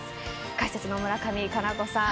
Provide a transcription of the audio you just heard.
解説の村上佳菜子さん